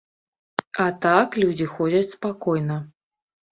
А так людзі ходзяць спакойна.